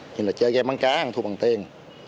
như là chơi game bắn cá ăn thu bằng tiền